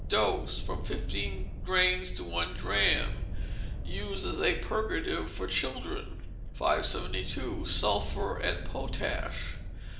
Dose, from fifteen grains to one drachm. Use as a purgative for children. 572. Sulphur and Potash.